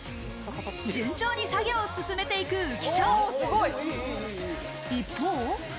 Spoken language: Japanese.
順調に作業を進めていく浮所。一方。